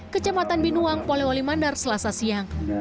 kecematan binuang pola wali mandar selasa siang